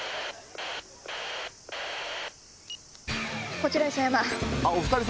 こちら磯山。